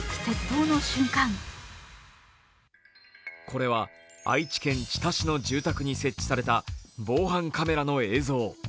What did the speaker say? これは、愛知県知多市の住宅に設置された防犯カメラの映像。